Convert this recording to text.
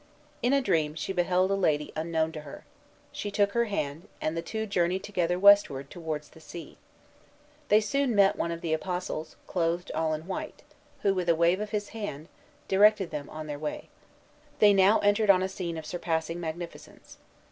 In a dream she beheld a lady unknown to her. She took her hand; and the two journeyed together westward, towards the sea. They soon met one of the Apostles, clothed all in white, who, with a wave of his hand, directed them on their way. They now entered on a scene of surpassing magnificence.